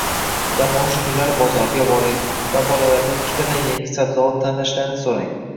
dam olish kunlari bozorga boring va bolalardan ikkitadan yangi sabzavot tanlashlarini so‘rang.